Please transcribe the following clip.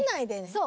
そう！